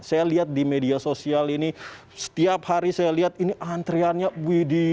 saya lihat di media sosial ini setiap hari saya lihat ini antriannya widi